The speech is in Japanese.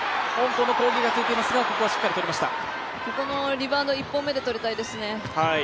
リバウンド１本目でとりたいですね。